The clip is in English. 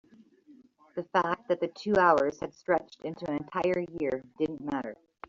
the fact that the two hours had stretched into an entire year didn't matter.